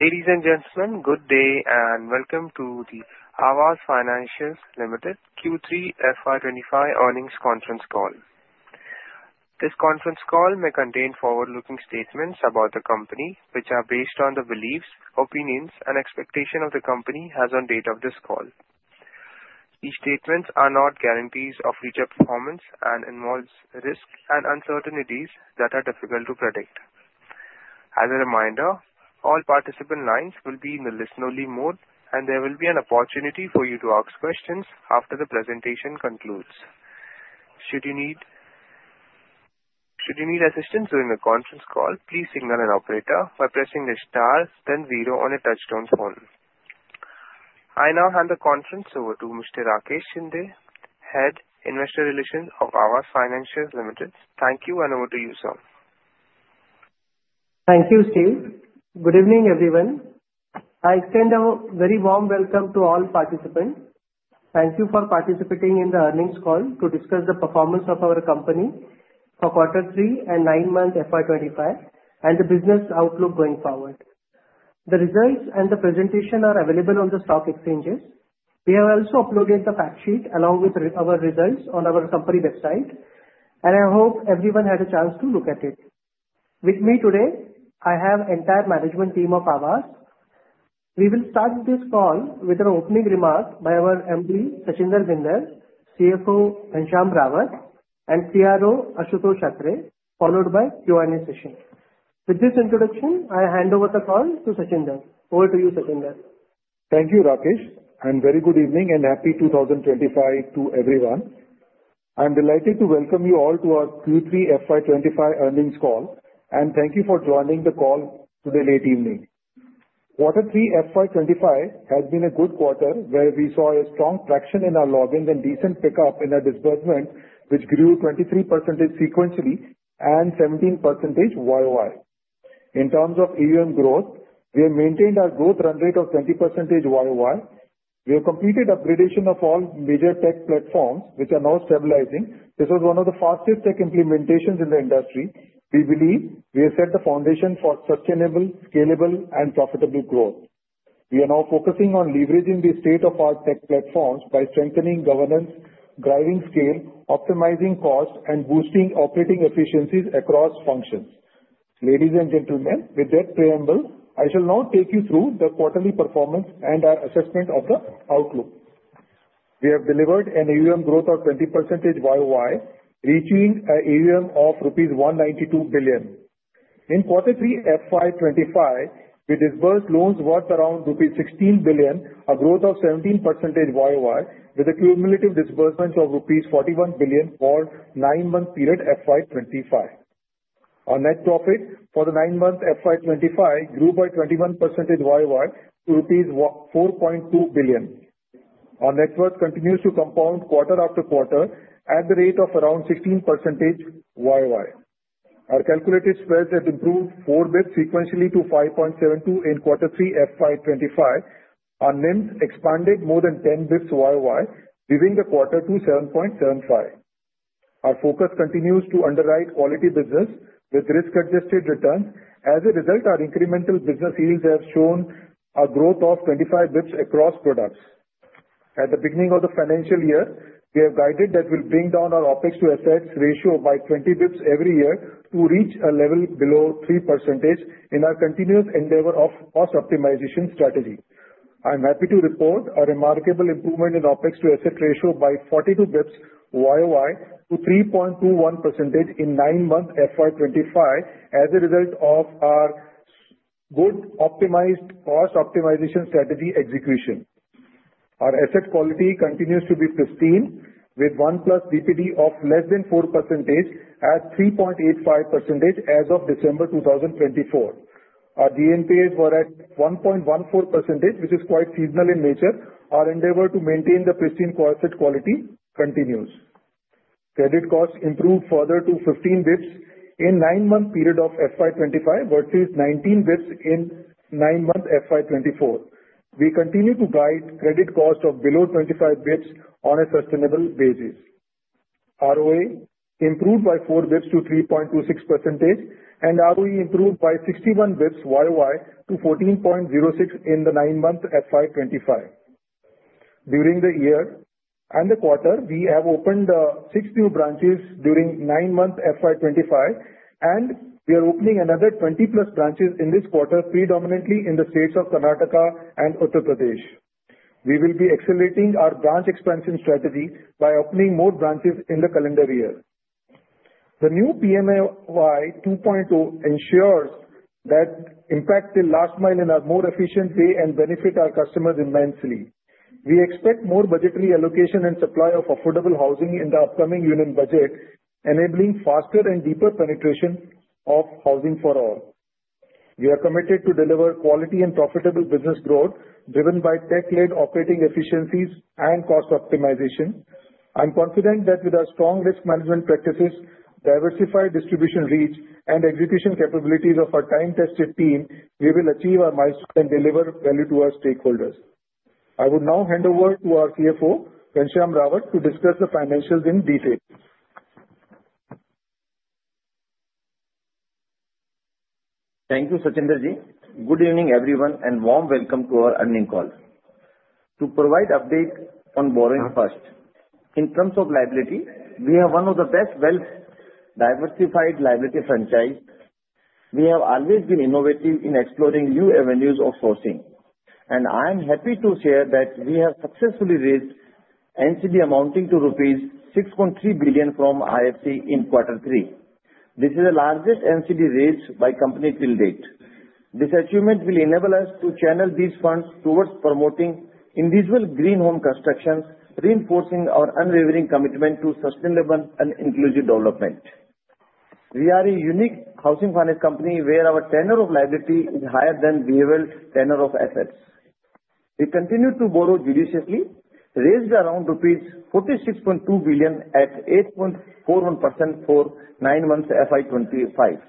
Ladies and gentlemen, good day and welcome to the Aavas Financiers Limited Q3 FY25 Earnings Conference Call. This conference call may contain forward-looking statements about the company, which are based on the beliefs, opinions, and expectations the company has on the date of this call. These statements are not guarantees of future performance and involve risks and uncertainties that are difficult to predict. As a reminder, all participant lines will be in the listen-only mode, and there will be an opportunity for you to ask questions after the presentation concludes. Should you need, should you need assistance during the conference call, please signal an operator by pressing the star then zero on a touch-tone phone. I now hand the conference over to Mr. Rakesh Shinde, Head of Investor Relations of Aavas Financiers Limited. Thank you, and over to you, sir. Thank you, Steve. Good evening, everyone. I extend a very warm welcome to all participants. Thank you for participating in the earnings call to discuss the performance of our company for Q3 and nine months FY25 and the business outlook going forward. The results and the presentation are available on the stock exchanges. We have also uploaded the fact sheet along with our results on our company website, and I hope everyone had a chance to look at it. With me today, I have the entire management team of Aavas. We will start this call with an opening remark by our MD, Sachinder Bhinder, CFO, Ghanshyam Rawat, and CRO, Ashutosh Atre, followed by Q&A session. With this introduction, I hand over the call to Sachinder. Over to you, Sachinder. Thank you, Rakesh. And very good evening and happy 2025 to everyone. I'm delighted to welcome you all to our Q3 FY25 Earnings Call, and thank you for joining the call today late evening. Q3 FY25 has been a good quarter where we saw a strong traction in our sourcing and decent pickup in our disbursement, which grew 23% sequentially and 17% YOY. In terms of AUM growth, we have maintained our growth run rate of 20% YOY. We have completed upgradation of all major tech platforms, which are now stabilizing. This was one of the fastest tech implementations in the industry. We believe we have set the foundation for sustainable, scalable, and profitable growth. We are now focusing on leveraging the state-of-the-art tech platforms by strengthening governance, driving scale, optimizing costs, and boosting operating efficiencies across functions. Ladies and gentlemen, with that preamble, I shall now take you through the quarterly performance and our assessment of the outlook. We have delivered an AUM growth of 20% YOY, reaching an AUM of rupees 192 billion. In Q3 FY25, we disbursed loans worth around rupees 16 billion, a growth of 17% YOY, with a cumulative disbursement of rupees 41 billion for the nine-month period FY25. Our net profit for the nine-month FY25 grew by 21% YOY to rupees 4.2 billion. Our net worth continues to compound quarter after quarter at the rate of around 16% YOY. Our calculated spreads have improved four basis points sequentially to 5.72 in Q3 FY25. Our NIMs expanded more than 10 basis points YOY, leaving the quarter to 7.75. Our focus continues to underwrite quality business with risk-adjusted returns. As a result, our incremental business yields have shown a growth of 25 basis points across products. At the beginning of the financial year, we have guided that we'll bring down our OpEx to assets ratio by 20 basis points every year to reach a level below 3% in our continuous endeavor of cost optimization strategy. I'm happy to report a remarkable improvement in OpEx to asset ratio by 42 basis points YOY to 3.21% in nine-month FY25 as a result of our good optimized cost optimization strategy execution. Our asset quality continues to be pristine, with one-plus DPD of less than 4% at 3.85% as of December 2024. Our GNPAs were at 1.14%, which is quite seasonal in nature. Our endeavor to maintain the pristine asset quality continues. Credit costs improved further to 15 basis points in the nine-month period of FY25 versus 19 basis points in nine-month FY24. We continue to guide credit costs of below 25 basis points on a sustainable basis. ROA improved by 4 basis points to 3.26%, and ROE improved by 61 basis points YOY to 14.06% in the nine-month FY25. During the year and the quarter, we have opened six new branches during the nine-month FY25, and we are opening another 20-plus branches in this quarter, predominantly in the states of Karnataka and Uttar Pradesh. We will be accelerating our branch expansion strategy by opening more branches in the calendar year. The new PMAY 2.0 ensures that impact will last mile in a more efficient way and benefit our customers immensely. We expect more budgetary allocation and supply of affordable housing in the upcoming union budget, enabling faster and deeper penetration of housing for all. We are committed to deliver quality and profitable business growth driven by tech-led operating efficiencies and cost optimization. I'm confident that with our strong risk management practices, diversified distribution reach, and execution capabilities of our time-tested team, we will achieve our milestones and deliver value to our stakeholders. I would now hand over to our CFO, Ghanshyam Rawat, to discuss the financials in detail. Thank you, Sachinder ji. Good evening, everyone, and warm welcome to our earnings call. To provide an update on borrowing first, in terms of liability, we have one of the best well-diversified liability franchises. We have always been innovative in exploring new avenues of sourcing, and I'm happy to share that we have successfully raised NCD amounting to rupees 6.3 billion from IFC in Q3. This is the largest NCD raised by the company till date. This achievement will enable us to channel these funds towards promoting individual green home constructions, reinforcing our unwavering commitment to sustainable and inclusive development. We are a unique housing finance company where our tenor of liability is higher than behavioral tenor of assets. We continue to borrow judiciously, raised around rupees 46.2 billion at 8.41% for nine months FY25.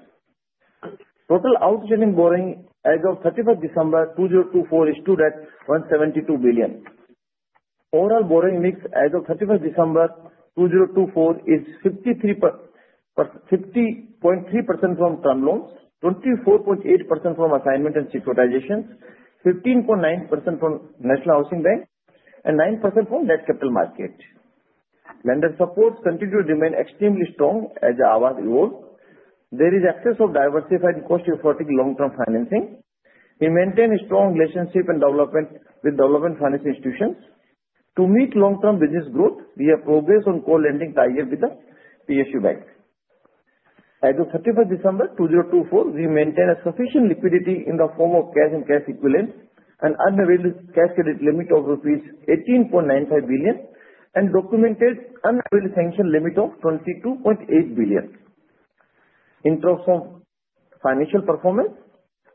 Total outstanding borrowing as of 31st December 2024 is due at 172 billion. Overall borrowing mix as of 31st December 2024 is 50, 50.3% from term loans, 24.8% from assignment and securitization, 15.9% from National Housing Bank, and 9% from debt capital market. Lender supports continue to remain extremely strong as Aavas evolves. There is access to diversified and cost-effective long-term financing. We maintain a strong relationship and development with development finance institutions. To meet long-term business growth, we have progressed on co-lending tie-up with the PSU bank. As of 31st December 2024, we maintain a sufficient liquidity in the form of cash and cash equivalents, an undrawn cash credit limit of rupees 18.95 billion, and undrawn sanction limit of 22.8 billion. In terms of financial performance,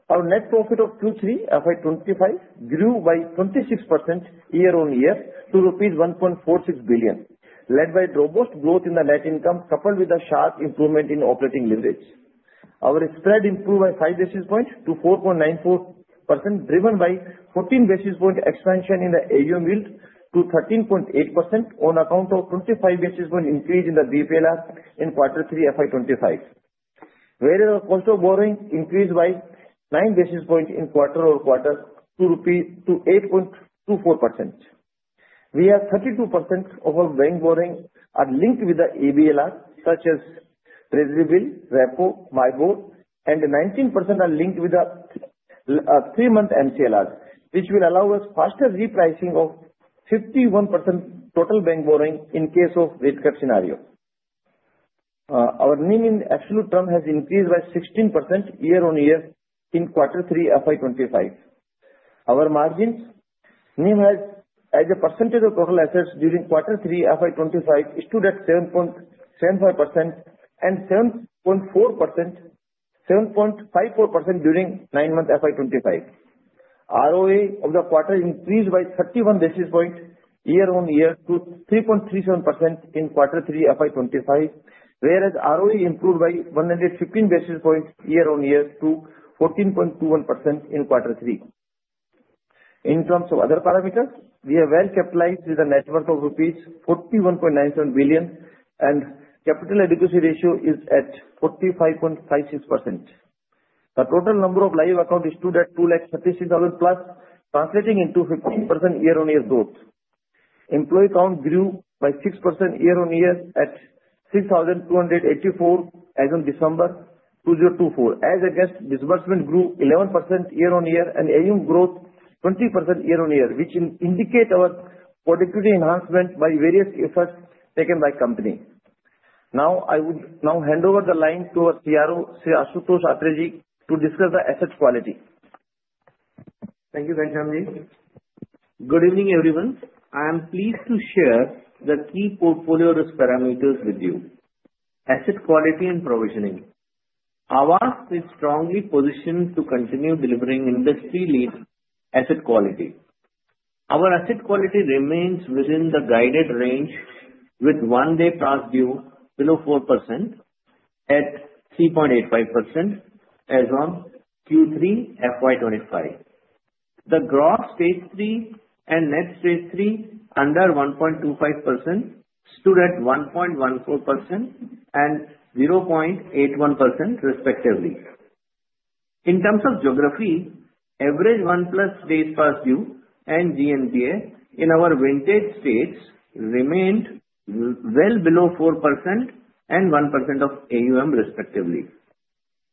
our net profit of Q3 FY25 grew by 26% year-on-year to rupees 1.46 billion, led by robust growth in the net income coupled with a sharp improvement in operating leverage. Our spread improved by 5 basis points to 4.94%, driven by 14 basis point expansion in the AUM yield to 13.8% on account of a 25 basis point increase in the BPLR in Q3 FY25, whereas our cost of borrowing increased by 9 basis points quarter-over-quarter to 8.24%. We have 32% of our bank borrowings linked with the EBLRs, such as T-Bill, Repo, MIBOR, and 19% are linked with the three-month MCLRs, which will allow us faster repricing of 51% total bank borrowing in case of rate cut scenarios. Our NIM in absolute terms has increased by 16% year-on-year in Q3 FY25. Our margins, NIM as a percentage of total assets during Q3 FY25 stood at 7.75% and 7.54% during nine-month FY25. ROA of the quarter increased by 31 basis points year-on-year to 3.37% in Q3 FY25, whereas ROE improved by 115 basis points year-on-year to 14.21% in Q3. In terms of other parameters, we have well-capitalized with a net worth of rupees 41.97 billion, and capital adequacy ratio is at 45.56%. The total number of live accounts stood at 236,000 plus, translating into 15% year-on-year growth. Employee count grew by 6% year-on-year at 6,284 as of December 2024, as against disbursement grew 11% year-on-year and AUM growth 20% year-on-year, which indicates our productivity enhancement by various efforts taken by the company. Now, I would hand over the line to our CRO, Shri Ashutosh Atre, to discuss the asset quality. Thank you, Ghanshyam ji. Good evening, everyone. I am pleased to share the key portfolio risk parameters with you. Asset quality and provisioning. Aavas is strongly positioned to continue delivering industry-leading asset quality. Our asset quality remains within the guided range with one-day past due below 4% at 3.85% as of Q3 FY25. The gross stage 3 and net stage 3 under 1.25% stood at 1.14% and 0.81%, respectively. In terms of geography, average one-plus days past due and GNPA in our vintage states remained well below 4% and 1% of AUM, respectively,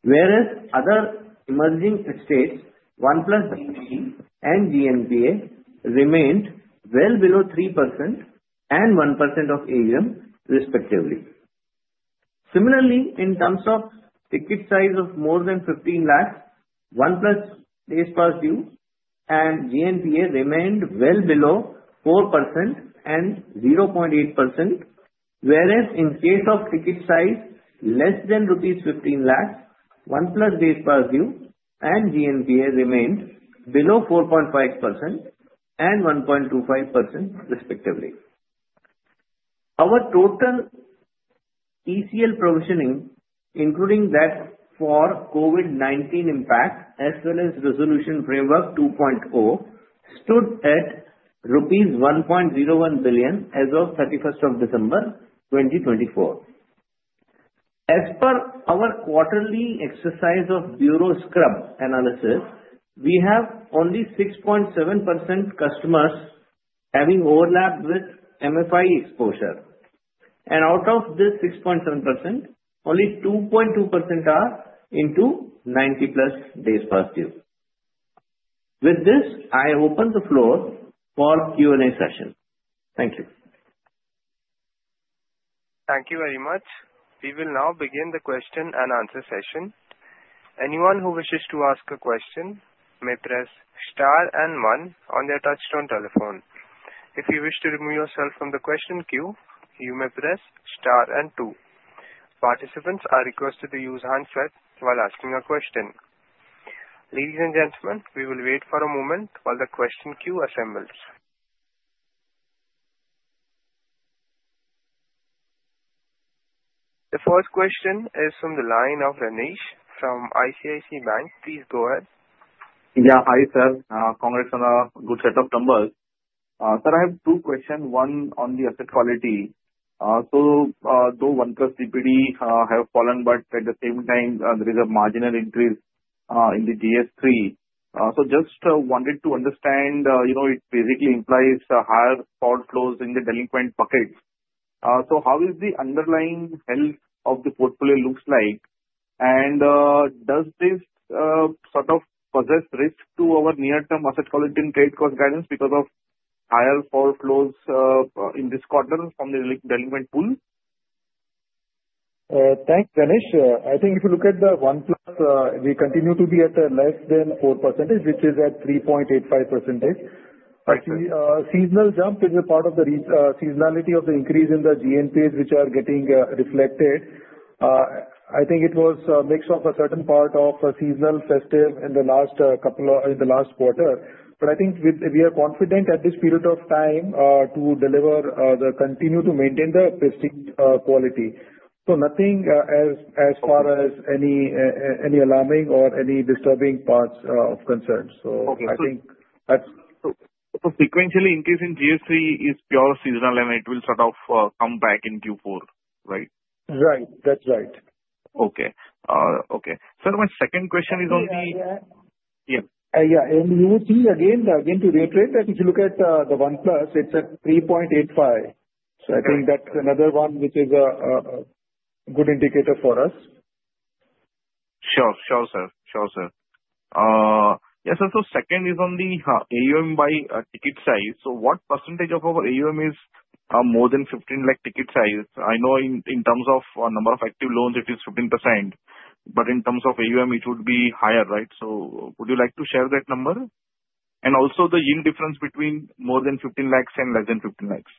whereas other emerging states, one-plus DPD and GNPA remained well below 3% and 1% of AUM, respectively. Similarly, in terms of ticket size of more than 15 lakhs, one-plus days past due and GNPA remained well below 4% and 0.8%, whereas in case of ticket size less than Rs 15 lakhs, one-plus days past due and GNPA remained below 4.5% and 1.25%, respectively. Our total ECL provisioning, including that for COVID-19 impact as well as resolution framework 2.0, stood at rupees 1.01 billion as of 31st December 2024. As per our quarterly exercise of bureau scrub analysis, we have only 6.7% customers having overlapped with MFI exposure. Out of this 6.7%, only 2.2% are into 90-plus days past due. With this, I open the floor for Q&A session. Thank you. Thank you very much. We will now begin the Q&A session. Anyone who wishes to ask a question may press Star and one on their touchtone telephone. If you wish to remove yourself from the question queue, you may press Star and two. Participants are requested to use hands-free while asking a question. Ladies and gentlemen, we will wait for a moment while the question queue assembles. The first question is from the line of Renish from ICICI Securities. Please go ahead. Yeah, hi, sir. Congrats on a good set of numbers. Sir, I have two questions. One on the asset quality. So though 1+ DPD have fallen, but at the same time, there is a marginal increase in the GS3. So just wanted to understand, you know, it basically implies a higher forward flows in the delinquent bucket. So how is the underlying health of the portfolio looks like? And does this sort of pose risk to our near-term asset quality and credit cost guidance because of higher forward flows in this quarter from the delinquent pool? Thanks, Renish. I think if you look at the one-plus, we continue to be at less than 4%, which is at 3.85%. I see a seasonal jump in the part of the seasonality of the increase in the GNPAs, which are getting reflected. I think it was a mix of a certain part of a seasonal festive in the last couple of quarters. But I think we are confident at this period of time to deliver the continue to maintain the pristine quality. So nothing as as far as any alarming or any disturbing parts of concern. So I think that's. Okay. So sequentially, increase in GS3 is pure seasonal and it will sort of come back in Q4, right? Right. That's right. Okay. Okay. Sir, my second question is on the. Yeah. Yeah. Yeah. And you would see again to reiterate that if you look at the one-plus, it's at 3.85. So I think that's another one which is a good indicator for us. Sure, sir. Yes, sir. So second is on the AUM by ticket size. So what percentage of our AUM is more than 15 lakh ticket size? I know in terms of number of active loans, it is 15%. But in terms of AUM, it would be higher, right? So would you like to share that number? And also the yield difference between more than 15 lakhs and less than 15 lakhs?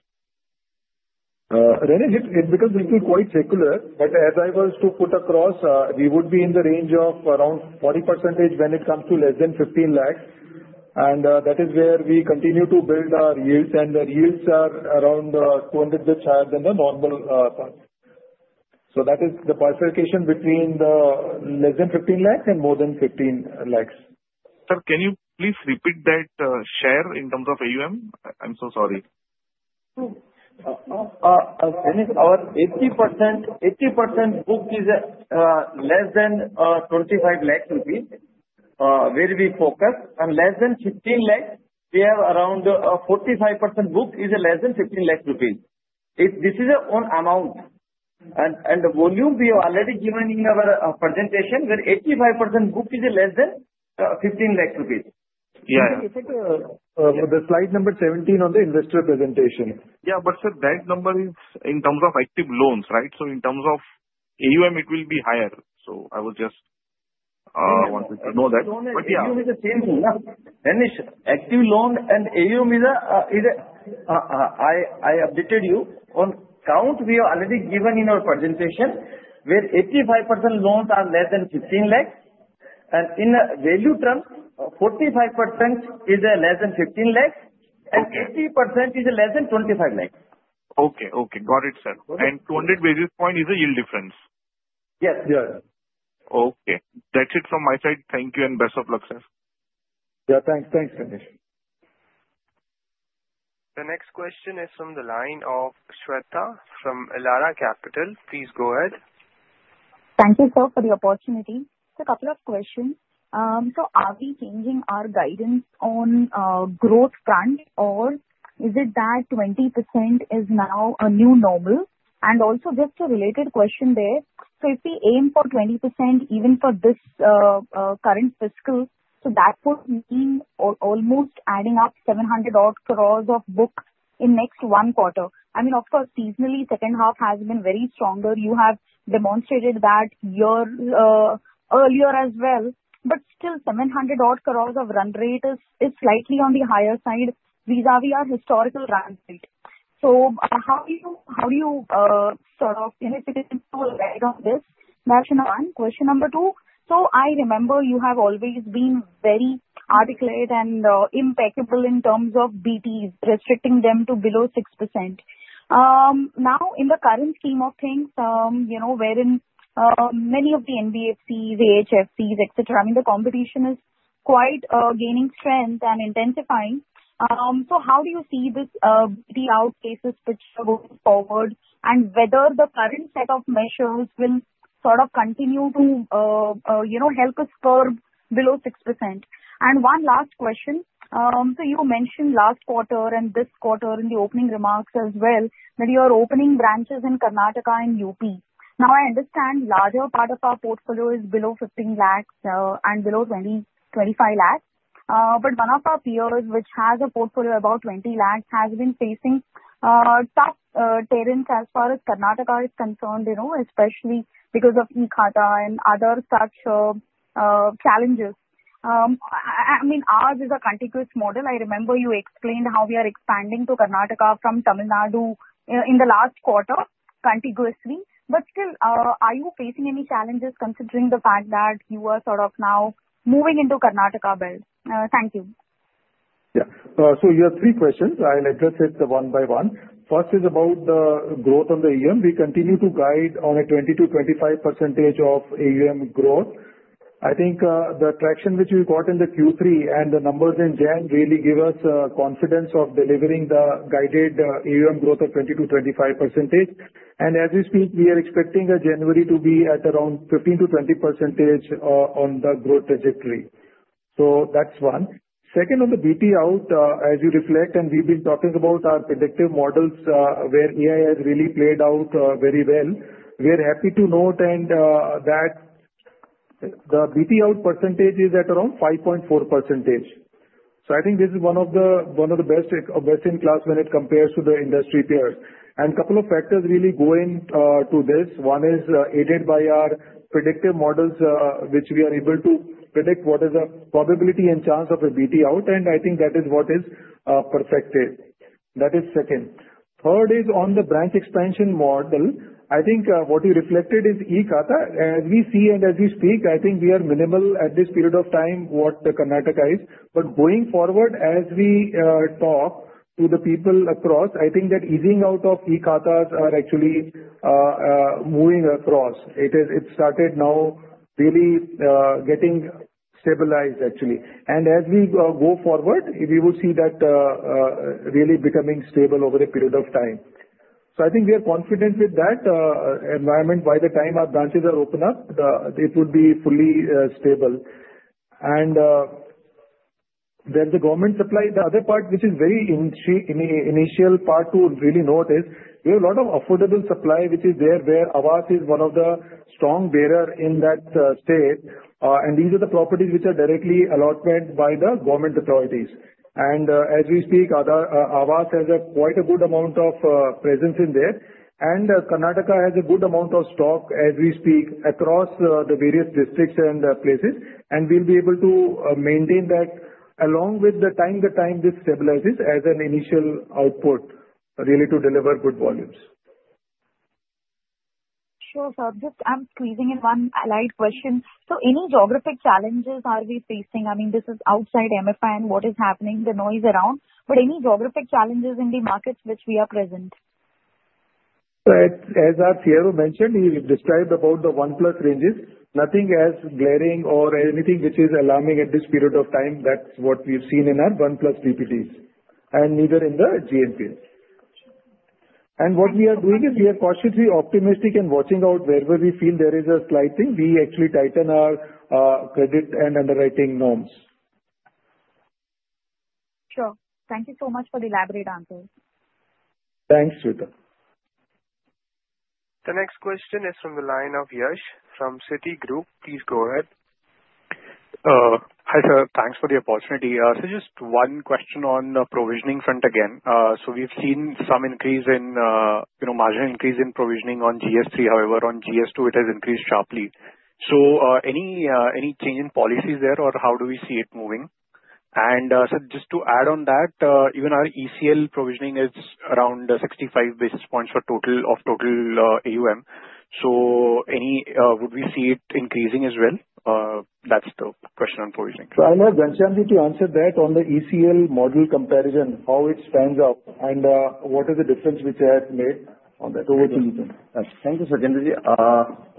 Renish, it becomes a little bit circular. But as I was trying to put across, we would be in the range of around 40% when it comes to less than 15 lakhs. And that is where we continue to build our yields. And the yields are around 200 basis points higher than the norm. So that is the differentiation between the less than 15 lakhs and more than 15 lakhs. Sir, can you please repeat that share in terms of AUM? I'm so sorry. Renish, our 80%, 80% book is less than 25 lakhs, where we focus. Less than 15 lakhs, we have around 45% book is less than 15 lakhs. This is our own amount. The volume we have already given in our presentation, where 85% book is less than 15 lakhs. Yeah. If I take the slide number 17 on the investor presentation. Yeah, but sir, bank number is in terms of active loans, right? So in terms of AUM, it will be higher. So I was just wanting to know that. No, no. AUM is the same thing. Renish, active loan and AUM is. I updated you on count we have already given in our presentation, where 85% loans are less than 15 lakhs. And in value terms, 45% is less than 15 lakhs, and 80% is less than 25 lakhs. Okay. Okay. Got it, sir. And 200 basis points is the yield difference. Yes. Yes. Okay. That's it from my side. Thank you and best of luck, sir. Yeah. Thanks. Thanks, Renish. The next question is from the line of Shweta from Elara Capital. Please go ahead. Thank you, sir, for the opportunity. Just a couple of questions. Are we changing our guidance on growth front, or is it that 20% is now a new normal? And also just a related question there. If we aim for 20% even for this current fiscal, that would mean almost adding up 700-odd crores of book in next one quarter. I mean, of course, seasonally, second half has been very stronger. You have demonstrated that year earlier as well. But still, 700-odd crores of run rate is slightly on the higher side vis-à-vis our historical run rate. How do you sort of anticipate the impact of this? Question one. Question number two. I remember you have always been very articulate and impeccable in terms of BTs, restricting them to below 6%. Now, in the current scheme of things, wherein many of the NBFCs, AHFCs, etc., I mean, the competition is quite gaining strength and intensifying. So how do you see this BT outreach pitch going forward and whether the current set of measures will sort of continue to help us curb below 6%? And one last question. So you mentioned last quarter and this quarter in the opening remarks as well that you are opening branches in Karnataka and UP. Now, I understand a larger part of our portfolio is below 15 lakhs and below 25 lakhs. But one of our peers, which has a portfolio of about 20 lakhs, has been facing tough terrain as far as Karnataka is concerned, especially because of e-Khata and other such challenges. I mean, ours is a contiguous model. I remember you explained how we are expanding to Karnataka from Tamil Nadu in the last quarter contiguously. But still, are you facing any challenges considering the fact that you are sort of now moving into Karnataka belt? Thank you. Yeah. So you have three questions. I'll address it one by one. First is about the growth on the AUM. We continue to guide on a 20%-25% of AUM growth. I think the traction which we got in the Q3 and the numbers in January really give us confidence of delivering the guided AUM growth of 20%-25%. And as we speak, we are expecting January to be at around 15%-20% on the growth trajectory. So that's one. Second, on the BT out, as you reflect, and we've been talking about our predictive models where AI has really played out very well. We are happy to note that the BT out percentage is at around 5.4%. So I think this is one of the best in class when it compares to the industry peers. And a couple of factors really go into this. One is aided by our predictive models, which we are able to predict what is the probability and chance of a BT out. And I think that is what is perfected. That is second. Third is on the branch expansion model. I think what you reflected is e-Khata. As we see and as we speak, I think we are minimal at this period of time what Karnataka is. But going forward, as we talk to the people across, I think that easing out of e-Khatas are actually moving across. It started now really getting stabilized, actually. And as we go forward, we will see that really becoming stable over the period of time. So I think we are confident with that environment. By the time our branches are open up, it would be fully stable. And there's the government supply. The other part, which is very initial part to really note, is we have a lot of affordable supply, which is there where Aavas is one of the strong bearers in that state. These are the properties which are directly allotted by the government authorities. And as we speak, Aavas has quite a good amount of presence in there. Karnataka has a good amount of stock as we speak across the various districts and places. We'll be able to maintain that along with the time this stabilizes as an initial output really to deliver good volumes. Sure, sir. Just I'm squeezing in one light question. So any geographic challenges are we facing? I mean, this is outside MFI and what is happening, the noise around. But any geographic challenges in the markets which we are present? So, as our CRO mentioned, he described about the one-plus ranges. Nothing as glaring or anything which is alarming at this period of time. That's what we've seen in our one-plus DPDs. And neither in the GNPAs. And what we are doing is we are cautiously optimistic and watching out wherever we feel there is a slight thing. We actually tighten our credit and underwriting norms. Sure. Thank you so much for the elaborate answers. Thanks, Shweta. The next question is from the line of Yash from Citigroup. Please go ahead. Hi, sir. Thanks for the opportunity. Just one question on the provisioning front again. We've seen some marginal increase in provisioning on GS3. However, on GS2, it has increased sharply. Any change in policies there or how do we see it moving? And sir, just to add on that, even our ECL provisioning is around 65 basis points for total AUM. Would we see it increasing as well? That's the question on provisioning. So, I know, Ghanshyamji, to answer that on the ECL model comparison, how it stands out and what is the difference which I have made on that over two weeks. Thank you, sir, Ghanshyam.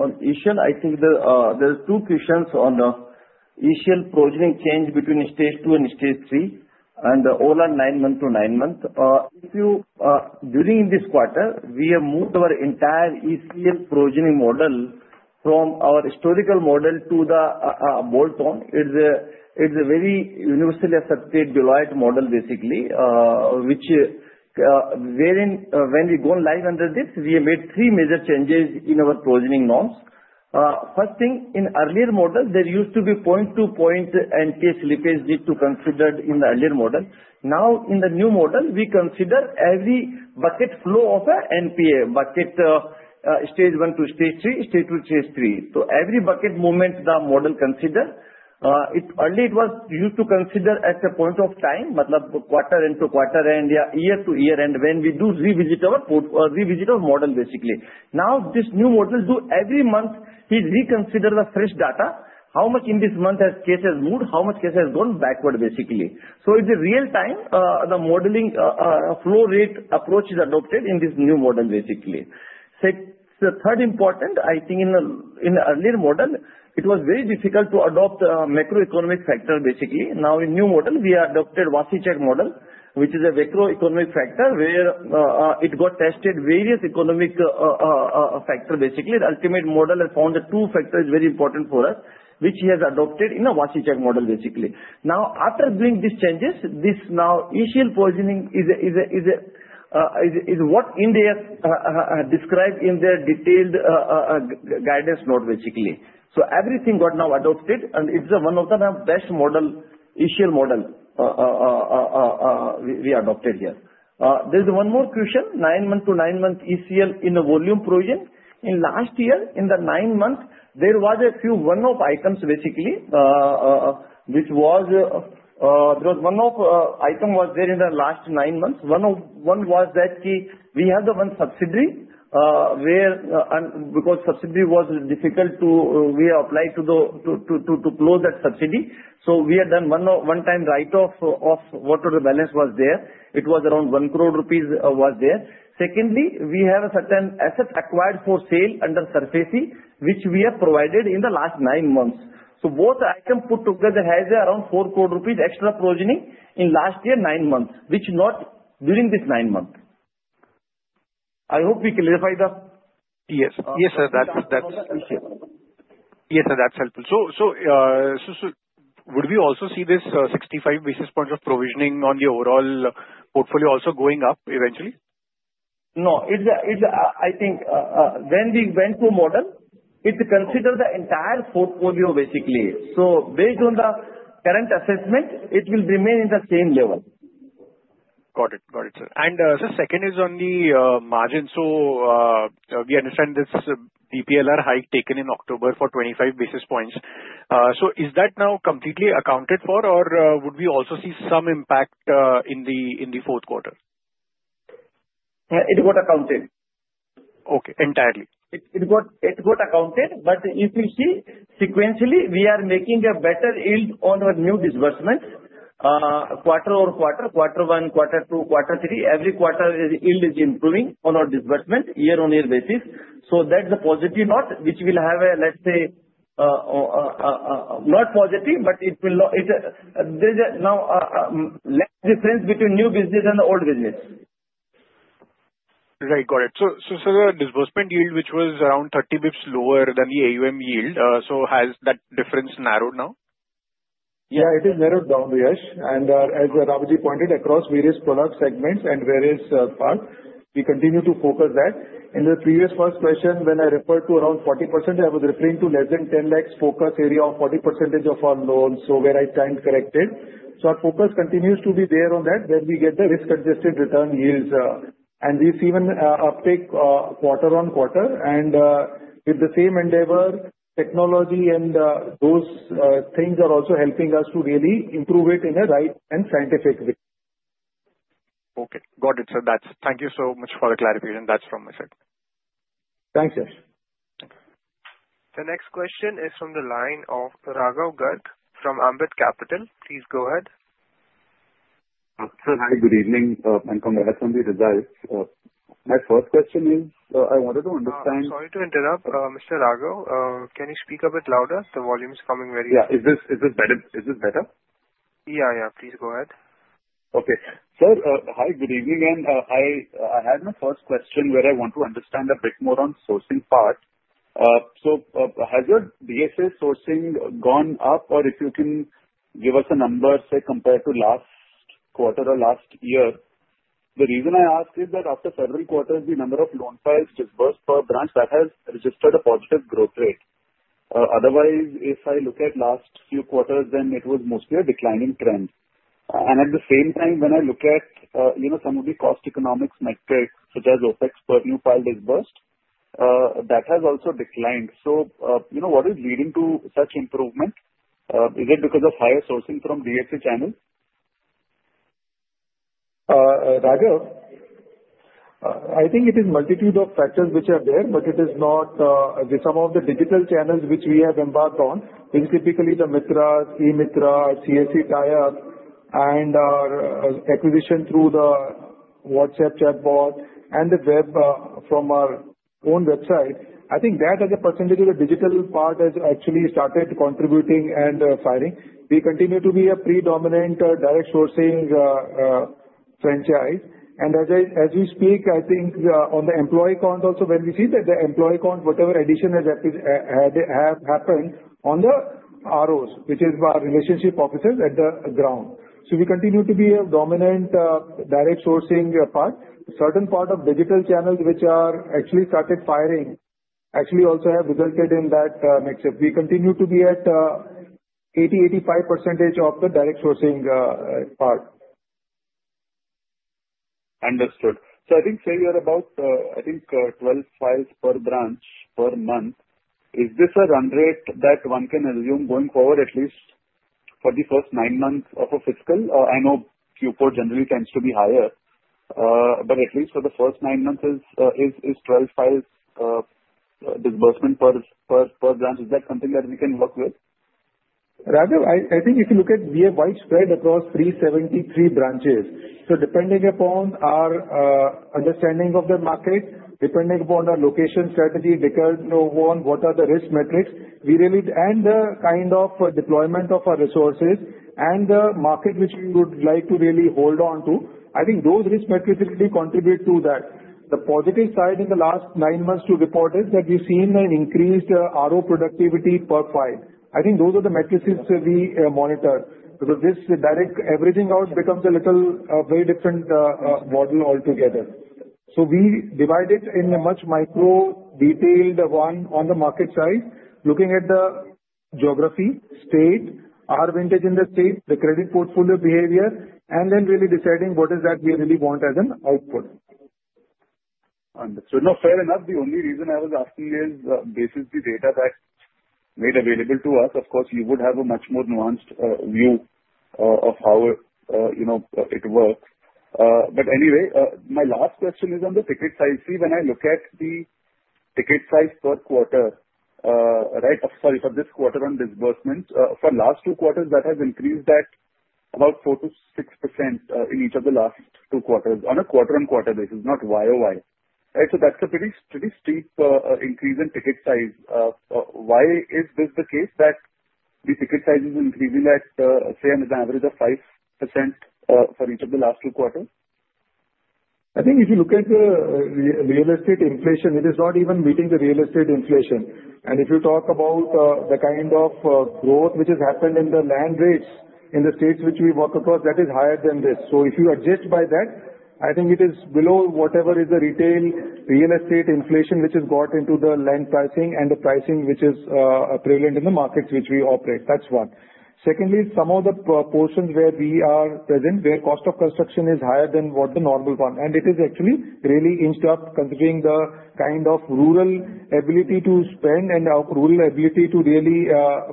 On ECL, I think there are two questions on the ECL provisioning change between stage two and stage three. And all are nine month to nine month. If you during this quarter, we have moved our entire ECL provisioning model from our historical model to the bolt-on. It's a very universally accepted Deloitte model, basically, which when we go live under this, we have made three major changes in our provisioning norms. First thing, in earlier model, there used to be point-to-point NPA slippage need to consider in the earlier model. Now, in the new model, we consider every bucket flow of an NPA, bucket stage one to stage three, stage two to stage three. So every bucket movement the model consider. Earlier, it was used to consider at a point of time, matlab quarter end to quarter end or year to year end when we do revisit our model, basically. Now, this new model do every month, we reconsider the fresh data. How much in this month has cases moved? How much case has gone backward, basically? So in the real time, the modeling flow rate approach is adopted in this new model, basically. The third important, I think in the earlier model, it was very difficult to adopt macroeconomic factor, basically. Now, in new model, we adopted Vasicek model, which is a macroeconomic factor where it got tested various economic factor, basically. The ultimate model has found the two factors very important for us, which he has adopted in the Vasicek model, basically. Now, after doing these changes, this now ECL provisioning is is is what Ind AS described in their detailed guidance note, basically. So everything got now adopted, and it's one of the best ECL model we adopted here. There's one more question. Nine-month to nine-month ECL in the volume provision. In the last year, in the nine months, there were a few one-off items, basically, which were one-off items in the last nine months. One one was that we had the one subsidy where, because subsidy was difficult to, we applied to to to close that subsidy. So we had done one-time write-off of whatever the balance was there. It was around 1 crore rupees. Secondly, we had a certain asset acquired for sale under SARFAESI, which we had provided in the last nine months. So both item put together has around 4 crore rupees extra provisioning in last year, nine months, which not during this nine month. I hope we clarified that. Yes. Yes, sir. That's helpful. So would we also see this 65 basis point of provisioning on the overall portfolio also going up eventually? No. I think when we went to model, it considered the entire portfolio, basically. So based on the current assessment, it will remain in the same level. Got it. Got it, sir. And sir, second is on the margin. So we understand this BPLR hike taken in October for 25 basis points. So is that now completely accounted for, or would we also see some impact in the fourth quarter? It got accounted. Okay. Entirely. It got accounted. But if you see, sequentially, we are making a better yield on our new disbursement quarter over quarter, quarter one, quarter two, quarter three. Every quarter, the yield is improving on our disbursement year-on-year basis. So that's the positive note, which will have a, let's say, not positive, but it will. There's now less difference between new business and the old business. Right. Got it. So sir, the disbursement yield, which was around 30 basis points lower than the AUM yield, so has that difference narrowed now? Yeah. It has narrowed down, Yash. And as Ravaji pointed, across various product segments and various parts, we continue to focus that. In the previous first question, when I referred to around 40%, I was referring to less than 10 lakhs focus area of 40% of our loans. So where I timed corrected. So our focus continues to be there on that when we get the risk-adjusted return yields. And we've seen an uptake quarter on quarter. And with the same endeavor, technology and those things are also helping us to really improve it in a right and scientific way. Okay. Got it, sir. Thank you so much for the clarification. That's from my side. Thanks, Yash. The next question is from the line of Raghav Garg from Ambit Capital. Please go ahead. Sir, hi. Good evening and congrats on the results. My first question is I wanted to understand. Sorry to interrupt. Mr. Raghav, can you speak a bit louder? The volume is coming very high. Yeah. Is this better? Yeah. Yeah. Please go ahead. Okay. Sir, hi. Good evening. I had my first question where I want to understand a bit more on sourcing part. So has your DSA sourcing gone up? Or if you can give us a number, say, compared to last quarter or last year. The reason I ask is that after several quarters, the number of loan files disbursed per branch that has registered a positive growth rate. Otherwise, if I look at last few quarters, then it was mostly a declining trend. And at the same time, when I look at some of the cost economics metrics, such as OpEx per new file disbursed, that has also declined. So what is leading to such improvement? Is it because of higher sourcing from DSA channels? Raghav, I think it is multitude of factors which are there, but it is not some of the digital channels which we have embarked on, which are typically the e-Mitra, CSC, and our acquisition through the WhatsApp chatbot, and the web from our own website. I think that as a percentage, the digital part has actually started contributing and firing. We continue to be a predominant direct sourcing franchise. And as we speak, I think on the employee count also, when we see that the employee count, whatever addition has happened on the ROs, which is our relationship officers at the ground. So we continue to be a dominant direct sourcing part. A certain part of digital channels which are actually started firing actually also have resulted in that mixture. We continue to be at 80%-85% of the direct sourcing part. Understood. So I think say we are about, I think, 12 files per branch per month. Is this a run rate that one can assume going forward at least for the first nine months of a fiscal? I know Q4 generally tends to be higher. But at least for the first nine months, is 12 files disbursement per branch? Is that something that we can work with? Raghav, I think if you look at we have widespread across 373 branches. So depending upon our understanding of the market, depending upon our location strategy, deciding on what are the risk metrics, we really and the kind of deployment of our resources and the market which we would like to really hold on to, I think those risk metrics really contribute to that. The positive side in the last nine months to report is that we've seen an increased RO productivity per file. I think those are the metrics we monitor. Because this direct averaging out becomes a little very different model altogether. So we divide it in a much micro-detailed one on the market side, looking at the geography, state, our vintage in the state, the credit portfolio behavior, and then really deciding what is that we really want as an output. Understood. Now, fair enough, the only reason I was asking is basically data that's made available to us. Of course, you would have a much more nuanced view of how it works. But anyway, my last question is on the ticket size. See, when I look at the ticket size per quarter, right, sorry, for this quarter on disbursement, for last two quarters, that has increased at about 4% to 6% in each of the last two quarters on a quarter-on-quarter basis, not YOY. Right? So that's a pretty steep increase in ticket size. Why is this the case that the ticket size is increasing at, say, an average of 5% for each of the last two quarters? I think if you look at the real estate inflation, it is not even meeting the real estate inflation, and if you talk about the kind of growth which has happened in the land rates in the states which we work across, that is higher than this. So if you adjust by that, I think it is below whatever is the retail real estate inflation which has got into the land pricing and the pricing which is prevalent in the markets which we operate. That's one. Secondly, some of the portions where we are present, where cost of construction is higher than what the normal one, and it is actually really inched up considering the kind of rural ability to spend and rural ability to really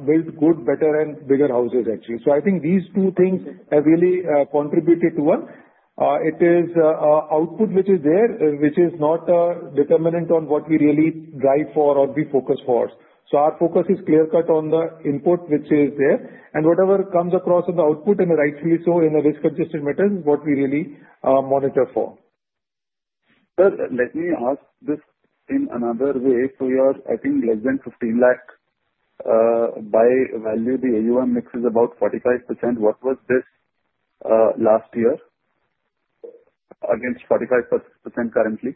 build good, better, and bigger houses, actually. So I think these two things have really contributed to one. It is output which is there, which is not dependent on what we really drive for or we focus for. Our focus is clear-cut on the input which is there. Whatever comes across in the output and the rightfully so in the risk-adjusted metrics is what we really monitor for. Sir, let me ask this in another way. So you are, I think, less than 15 lakh by value. The AUM mix is about 45%. What was this last year against 45% currently?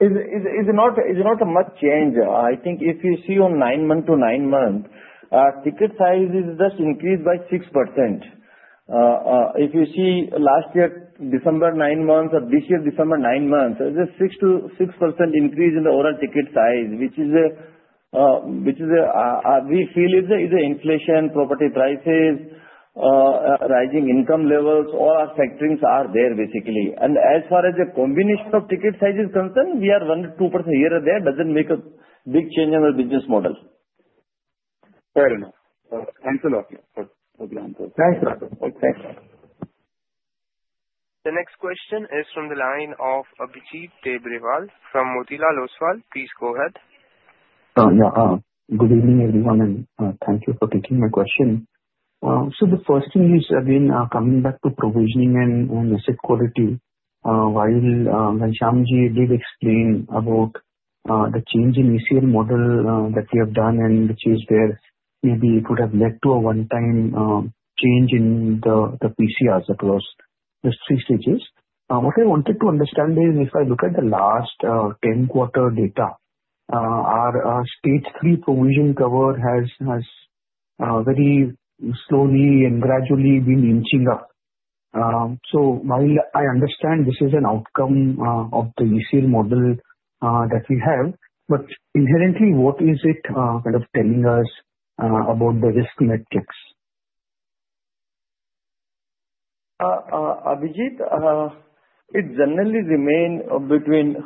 There's not much change. I think if you see on nine-month to nine-month, ticket size is just increased by 6%. If you see last year, December nine months, or this year, December nine months, there's a 6% increase in the overall ticket size, which we, which we feel is the inflation, property prices, rising income levels, all our factors are there, basically. And as far as the combination of ticket size is concerned, we are 1%-2% here or there. It doesn't make a big change in our business model. Fair enough. Thanks a lot. Thanks, Raghav. Thanks, Raghav. The next question is from the line of Abhijit Tibrewal from Motilal Oswal. Please go ahead. Yeah. Good evening, everyone. And thank you for taking my question. So the first thing is, again, coming back to provisioning and asset quality, while Ghanshyamji did explain about the change in ECL model that we have done, and which is where maybe it would have led to a one-time change in the PCRs across the three stages. What I wanted to understand is, if I look at the last 10-quarter data, our stage three provision cover has very slowly and gradually been inching up. So while I understand this is an outcome of the ECL model that we have, but inherently, what is it kind of telling us about the risk metrics? Abhijit, it generally remained between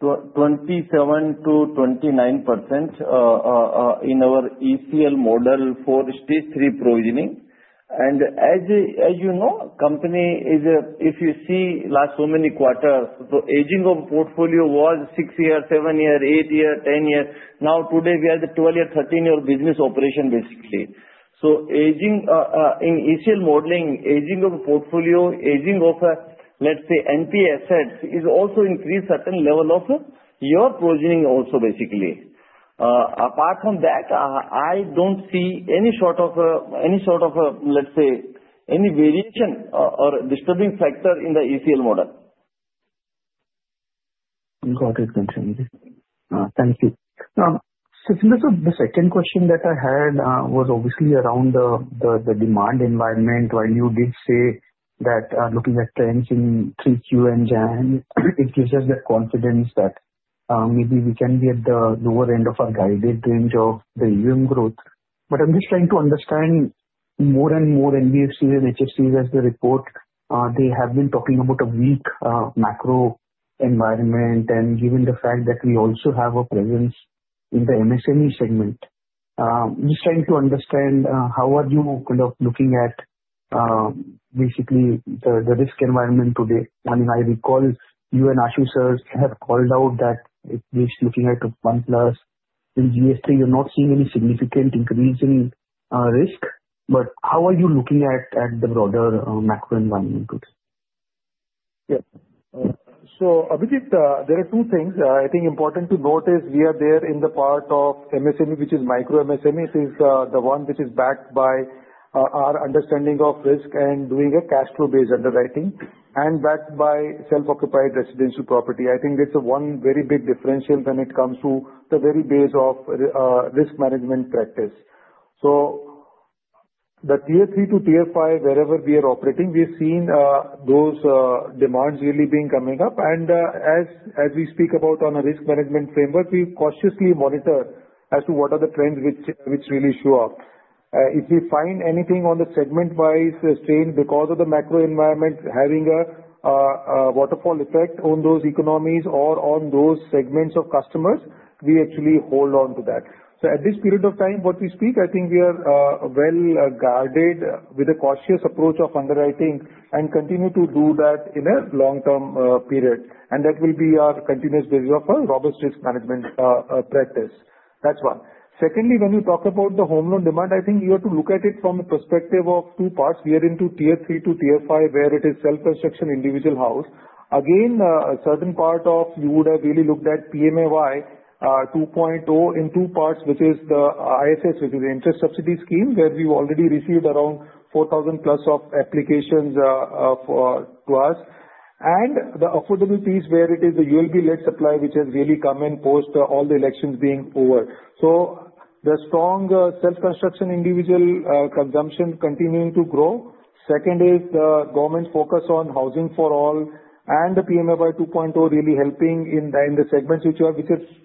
27% to 29% in our ECL model for stage three provisioning. And as, as you know, company is a if you see last so many quarters, the aging of the portfolio was six years, seven years, eight years, 10 years. Now, today, we are at the 12-year, 13-year business operation, basically. So aging in ECL modeling, aging of the portfolio, aging of, let's say, NP assets is also increased at a level of your provisioning also, basically. Apart from that, I don't see any sort of, any sort of, let's say, any variation or disturbing factor in the ECL model. Got it, Ghanshyamji. Thank you. So the second question that I had was obviously around the demand environment when you did say that looking at trends in 3Q and JAN, it gives us the confidence that maybe we can be at the lower end of our guided range of the AUM growth. But I'm just trying to understand more and more NBFCs and HFCs as they report. They have been talking about a weak macro environment and given the fact that we also have a presence in the MSME segment. I'm just trying to understand how are you kind of looking at, basically, the risk environment today? I mean, I recall you and Ashutosh have called out that at least looking at 1+, in GS3, you're not seeing any significant increase in risk. But how are you looking at the broader macro environment today? Yeah. So Abhijit, there are two things. I think important to note is we are there in the part of MSME, which is micro MSMEs, is the one which is backed by our understanding of risk and doing a cash-flow-based underwriting and backed by self-occupied residential property. I think it's one very big differential when it comes to the very base of risk management practice. So the Tier 3 to Tier 5, wherever we are operating, we've seen those demands really being coming up. And as, as we speak about on a risk management framework, we cautiously monitor as to what are the trends which really show up. If we find anything on the segment-wise strain because of the macro environment having a waterfall effect on those economies or on those segments of customers, we actually hold on to that. So at this period of time, what we speak, I think we are well guarded with a cautious approach of underwriting and continue to do that in a long-term period. And that will be our continuous basis of our robust risk management practice. That's one. Secondly, when you talk about the home loan demand, I think you have to look at it from the perspective of two parts. We are into Tier 3 to Tier 5, where it is self-construction, individual house. Again, a certain part of you would have really looked at PMAY 2.0 in two parts, which is the ISS, which is the interest subsidy scheme, where we've already received around 4,000-plus applications to us. And the affordability is where it is the ULB-led supply, which has really come in post all the elections being over. So the strong self-construction, individual consumption continuing to grow. Second is the government focus on housing for all and the PMAY 2.0 really helping in the segments which are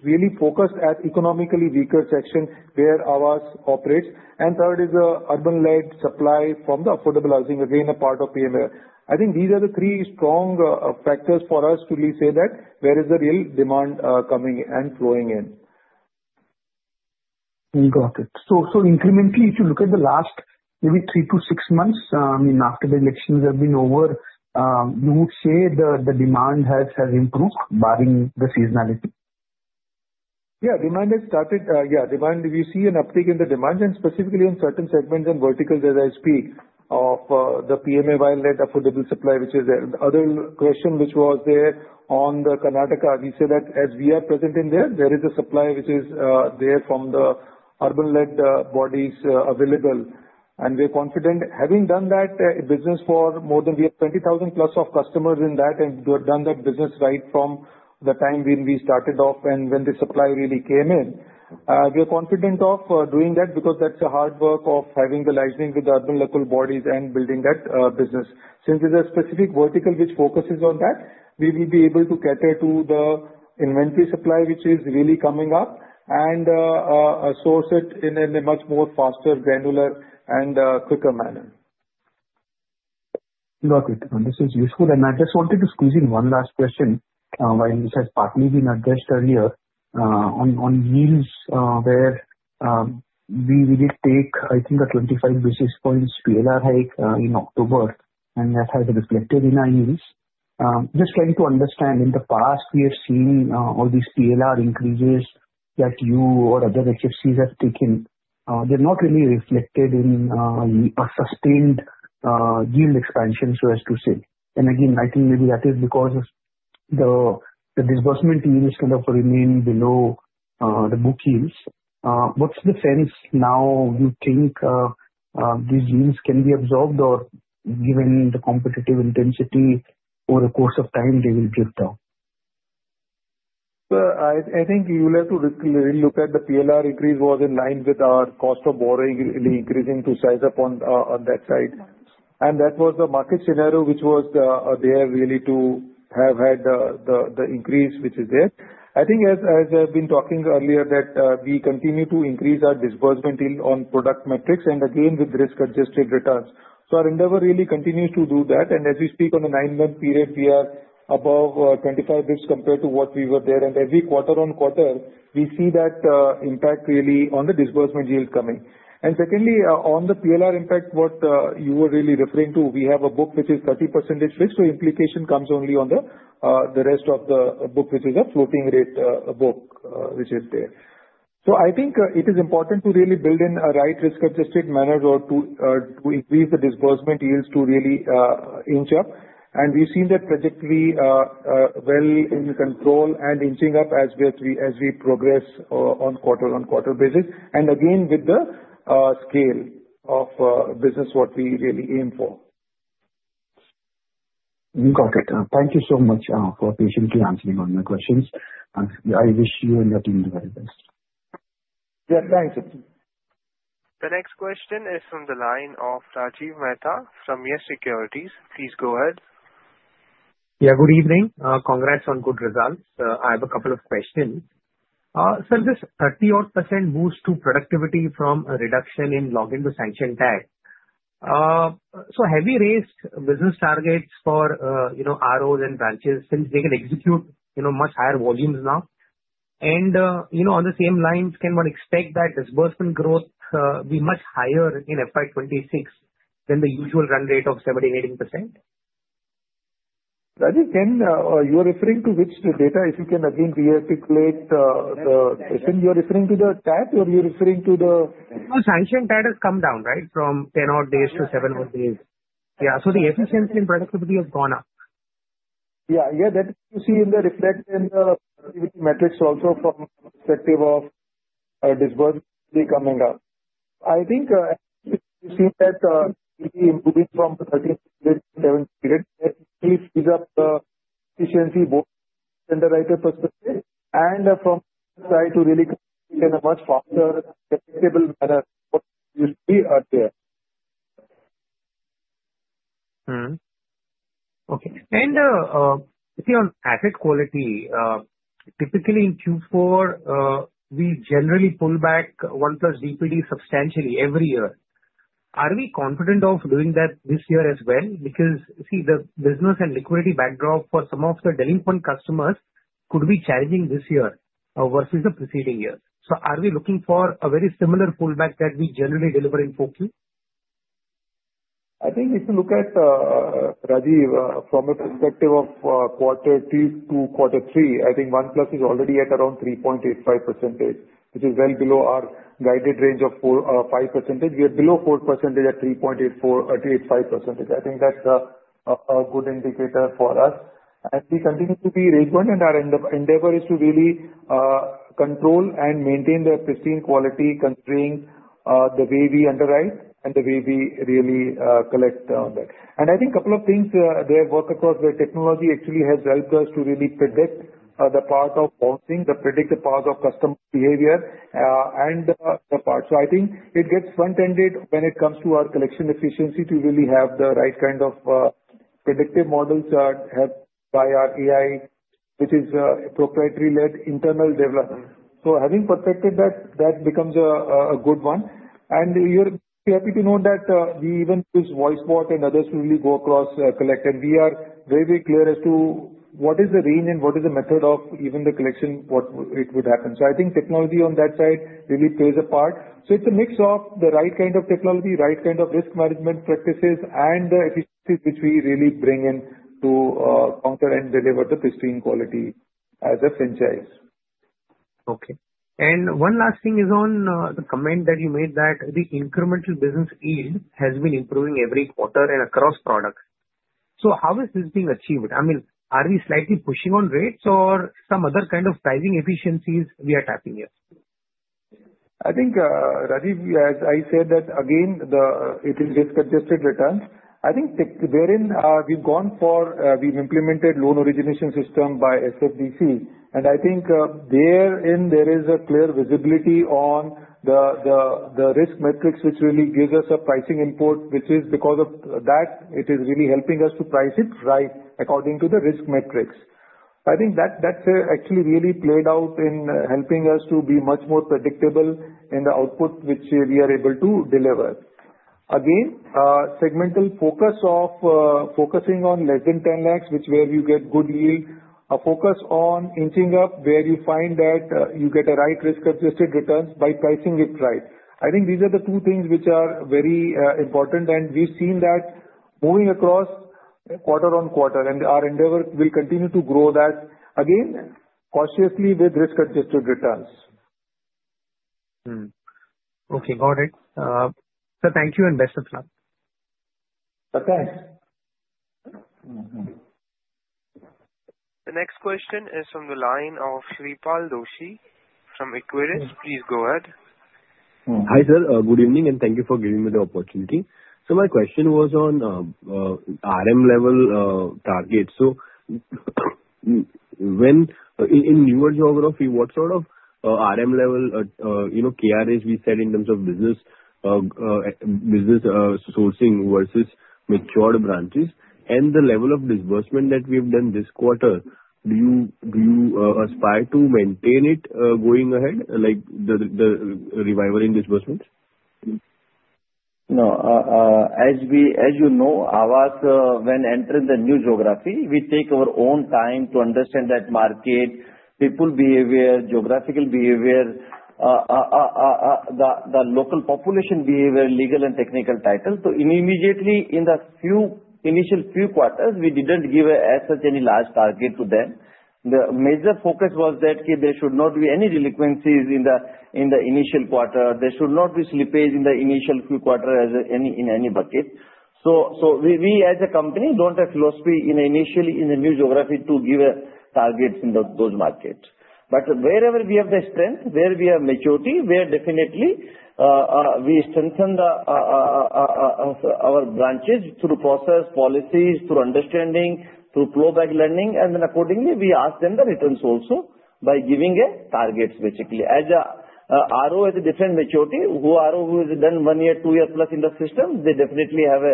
really focused at economically weaker sections where Aavas operates. And third is the urban-led supply from the affordable housing, again, a part of PMAY. I think these are the three strong factors for us to really say that where is the real demand coming and flowing in. Got it. So incrementally, if you look at the last maybe three to six months, I mean, after the elections have been over, you would say the demand has improved, barring the seasonality. Yeah. Demand has started. Demand, we see an uptick in the demand, and specifically on certain segments and verticals as I speak of the PMAY-led affordable supply, which is the other question which was there on the Karnataka. We say that as we are present in there, there is a supply which is there from the urban local bodies available. We're confident having done that business for more than we have 20,000-plus customers in that and done that business right from the time when we started off and when the supply really came in. We are confident of doing that because that's the hard work of having the liaison with the urban local bodies and building that business. Since it's a specific vertical which focuses on that, we will be able to cater to the inventory supply which is really coming up and source it in a much more faster, granular, and quicker manner. Got it. This is useful. And I just wanted to squeeze in one last question while this has partly been addressed earlier on on yields, where we did take, I think, a 25 basis points PLR hike in October, and that has reflected in our yields. Just trying to understand, in the past, we have seen all these PLR increases that you or other HFCs have taken. They're not really reflected in a sustained yield expansion, so as to say. And again, I think maybe that is because the disbursement yield is kind of remained below the book yields. What's the sense now you think these yields can be absorbed or, given the competitive intensity over the course of time, they will drift down? I think you'll have to really look at the PLR increase was in line with our cost of borrowing increasing to size up on that side, and that was the market scenario which was there really to have had the the increase which is there. I think, as I've been talking earlier, that we continue to increase our disbursement yield on product metrics and again with risk-adjusted returns, so our endeavor really continues to do that. And as we speak on a nine-month period, we are above 25 bips compared to what we were there. And every quarter-on-quarter, we see that impact really on the disbursement yield coming. And secondly, on the PLR impact, what you were really referring to, we have a book which is 30% fixed. So implication comes only on the rest of the book, which is a floating-rate book which is there. So I think it is important to really build in a right risk-adjusted manner or to increase the disbursement yields to really inch up. And we've seen that trajectory well in control and inching up as we progress on quarter-on-quarter basis. And again, with the scale of business, what we really aim for. Got it. Thank you so much for patiently answering all my questions. I wish you and your team the very best. Yeah. Thanks. The next question is from the line of Rajiv Mehta from YES Securities. Please go ahead. Yeah. Good evening. Congrats on good results. I have a couple of questions. So this 30-odd% move to productivity from a reduction in login to sanctioned tag. So have we raised business targets for ROs and branches since they can execute much higher volumes now? And on the same lines, can one expect that disbursement growth be much higher in FY26 than the usual run rate of 17-18%? Rajiv, can you are referring to which data? If you can again re-articulate the question, you are referring to the TAT or you are referring to the? No, sanctioned TAT has come down, right, from 10-odd days to 7-odd days. Yeah. So the efficiency and productivity have gone up. That you see reflected in the productivity metrics also from the perspective of disbursement coming up. I think we've seen that really improving from the 13-year period to 17-year period. That really speeds up the efficiency both from an underwriter perspective and from the side to really in a much faster and predictable manner what used to be there. Okay. And if you're on asset quality, typically in Q4, we generally pull back 1+ DPD substantially every year. Are we confident of doing that this year as well? Because see, the business and liquidity backdrop for some of the delinquent customers could be challenging this year versus the preceding year. So are we looking for a very similar pullback that we generally deliver in 4Q? I think if you look at, Rajiv, from a perspective of quarter 2 to quarter 3, I think 1+ DPD is already at around 3.85%, which is well below our guided range of 5%. We are below 4% at 3.85%. I think that's a good indicator for us. And we continue to be range-bound, and our endeavor is to really control and maintain the pristine quality, considering the way we underwrite and the way we really collect on that. And I think a couple of things there work across where technology actually has helped us to really predict the part of bouncing, the predictive part of customer behavior, and the part. So I think it gets front-ended when it comes to our collection efficiency to really have the right kind of predictive models by our AI, which is proprietary-led internal development. So having perfected that, that becomes a good one. And you're happy to know that we even use voicebot and others to really go across collect. And we are very, very clear as to what is the range and what is the method of even the collection, what it would happen. So I think technology on that side really plays a part. So it's a mix of the right kind of technology, right kind of risk management practices, and the efficiencies which we really bring in to conquer and deliver the pristine quality as a franchise. Okay. And one last thing is on the comment that you made that the incremental business yield has been improving every quarter and across products. So how is this being achieved? I mean, are we slightly pushing on rates or some other kind of pricing efficiencies we are tapping here? I think, Rajiv, as I said, that again, it is risk-adjusted returns. I think wherein we've gone for, we've implemented loan origination system by SFDC. And I think therein there is a clear visibility on the the risk metrics, which really gives us a pricing input, which is because of that, it is really helping us to price it right according to the risk metrics. I think that's actually really played out in helping us to be much more predictable in the output which we are able to deliver. Again, segmental focus of focusing on less than Rs 10 lakhs, which where you get good yield, a focus on inching up where you find that you get a right risk-adjusted return by pricing it right. I think these are the two things which are very important, and we've seen that moving across quarter-on-quarter, and our endeavor will continue to grow that again, cautiously with risk-adjusted returns. Okay. Got it, so thank you and best of luck. Thanks. The next question is from the line of Shreepal Doshi from Equirus. Please go ahead. Hi sir. Good evening and thank you for giving me the opportunity. So my question was on RM-level targets. So in newer geography, what sort of RM-level KRAs we set in terms of business sourcing versus matured branches? And the level of disbursement that we've done this quarter, do you aspire to maintain it going ahead, like the revival in disbursement? No. As you know, Aavas, when entering the new geography, we take our own time to understand that market, people behavior, geographical behavior, the local population behavior, legal and technical titles. So immediately in the initial few quarters, we didn't give such any large target to them. The major focus was that there should not be any delinquencies in the initial quarter. There should not be slippage in the initial few quarters in any bucket. So so we as a company don't have philosophy initially in the new geography to give targets in those markets. But wherever we have the strength, where we have maturity, where definitely we strengthen our branches through process, policies, through understanding, through flowback learning, and then accordingly, we ask them the returns also by giving targets, basically. As RO has a different maturity, RO who has done one year, two years plus in the system, they definitely have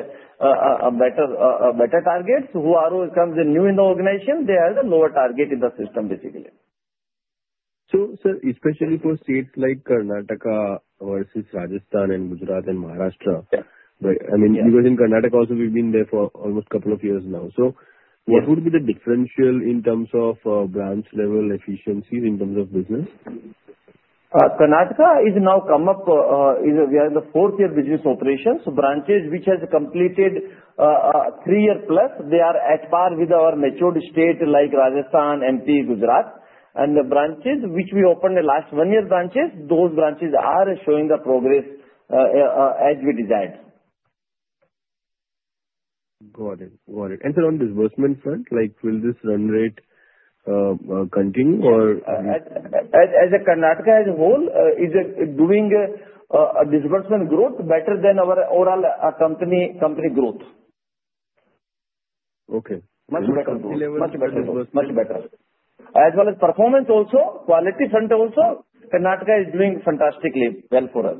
better better targets. RO who becomes new in the organization, they have a lower target in the system, basically. So sir, especially for states like Karnataka versus Rajasthan and Gujarat and Maharashtra, I mean, because in Karnataka also, we've been there for almost a couple of years now. So what would be the differential in terms of branch-level efficiencies in terms of business? Karnataka has now come up. We are in the fourth-year business operations. Branches which have completed three years plus, they are at par with our matured states like Rajasthan, MP, Gujarat, and the branches which we opened the last one-year branches, those branches are showing the progress as we designed. Got it. Got it. And then on disbursement front, will this run rate continue or? Is Karnataka as a whole doing disbursement growth better than our overall company growth. Okay. Much better. Much better. Much better. As well as performance also, quality front also, Karnataka is doing fantastically well for us.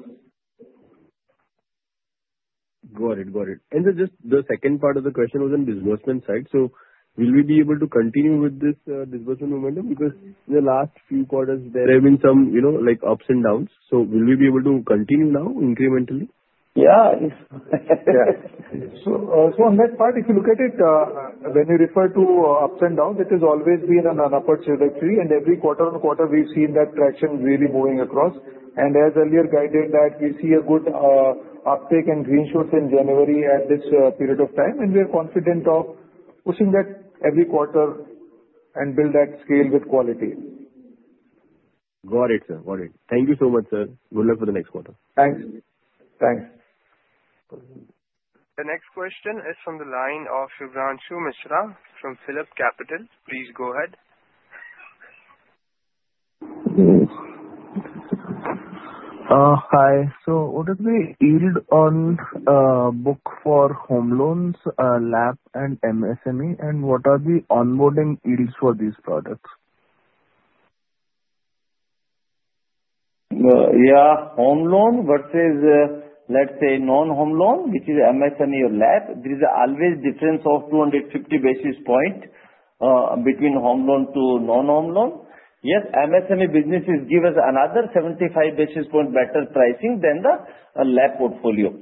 Got it. Got it. And just the second part of the question was on disbursement side. So will we be able to continue with this disbursement momentum? Because in the last few quarters, there have been some ups and downs. So will we be able to continue now incrementally? Yeah. So on that part, if you look at it, when you refer to ups and downs, it has always been an upper trajectory. And every quarter-on-quarter, we've seen that traction really moving across. And as earlier guided, that we see a good uptake and green shoots in January at this period of time. And we are confident of pushing that every quarter and build that scale with quality. Got it, sir. Got it. Thank you so much, sir. Good luck for the next quarter. Thanks. Thanks. The next question is from the line of Shubhanshu Mishra from PhillipCapital. Please go ahead. Hi. So what are the yield on book for home loans, LAP, and MSME? And what are the onboarding yields for these products? Yeah. Home loan versus, let's say, non-home loan, which is MSME or LAP, there is always a difference of 250 basis points between home loan to non-home loan. Yes, MSME businesses give us another 75 basis points better pricing than the LAP portfolio.